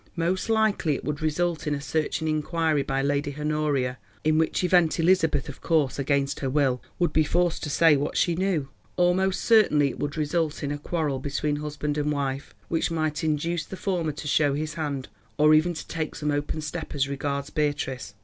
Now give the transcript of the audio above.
Most likely it would result in a searching inquiry by Lady Honoria, in which event Elizabeth, of course against her will, would be forced to say what she knew; almost certainly it would result in a quarrel between husband and wife, which might induce the former to show his hand, or even to take some open step as regards Beatrice.